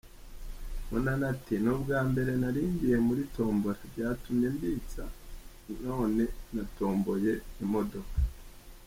Munana ati ”Ni ubwa mbere nari ngiye muri tombola, byatumye mbitsa none natomboye imodoka ».